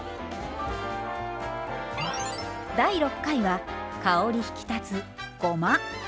第６回は香り引き立つごま。